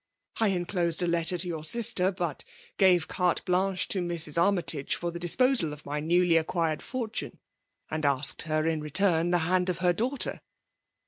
I enclosed a letter *to your sister ; but gave carte blanehe to Mrs. Army ' i«ge for the disposal of my newiy acqttired fortune^ and asked her in return the hand of her daughter."